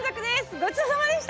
ごちそうさまでした！